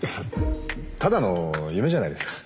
ただの夢じゃないですか？